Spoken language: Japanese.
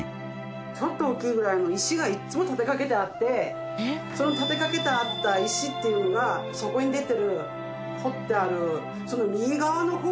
ちょっと大きいぐらいの石がいつも立てかけてあってその立てかけてあった石っていうのがそこに出てる。